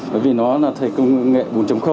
bởi vì nó là thầy công nghệ bốn